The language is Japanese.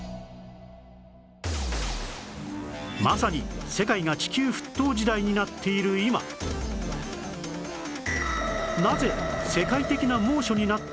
まさに世界が地球沸騰時代になっている今なぜ世界的な猛暑になっているのか？